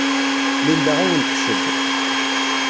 Linda ad awen-d-tesseww.